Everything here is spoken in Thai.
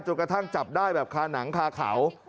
กระทั่งจับได้แบบคาหนังคาเขา